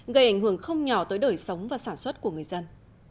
gây ảnh hưởng không nhỏ tới đời sống và sản xuất của người dân